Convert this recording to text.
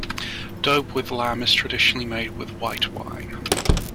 Daube with lamb is traditionally made with white wine.